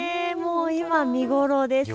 今、見頃です。